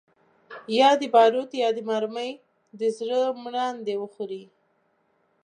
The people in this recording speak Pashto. یا دي باروت یا دي مرمۍ د زړګي مراندي وخوري